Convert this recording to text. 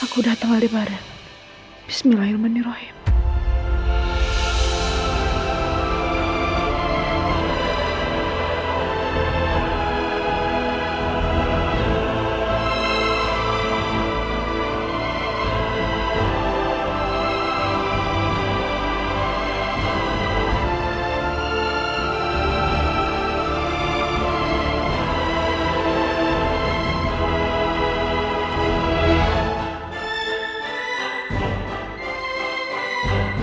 kita akan sama sama menuntaskan rasa rindu ini